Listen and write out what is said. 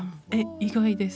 意外です。